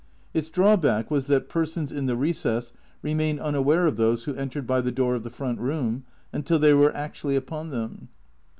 Its drawback was that persons in the recess remained unaware of those who entered by the door of the front room, until they were actually upon them.